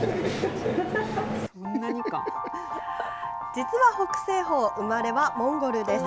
実は北青鵬生まれはモンゴルです。